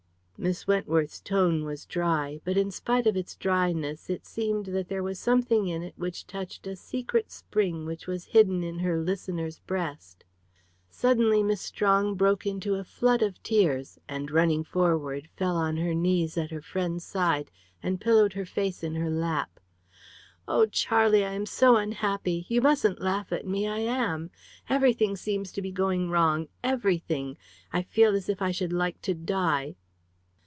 Miss Wentworth's tone was dry. But, in spite of its dryness, it seemed that there was something in it which touched a secret spring which was hidden in her listener's breast. Suddenly Miss Strong broke into a flood of tears, and, running forward, fell on her knees at her friend's side, and pillowed her face in her lap. "Oh, Charlie, I am so unhappy you mustn't laugh at me I am! Everything seems to be going wrong everything. I feel as if I should like to die!"